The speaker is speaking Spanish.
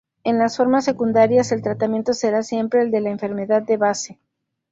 En las formas secundarias el tratamiento será siempre el de la enfermedad de base.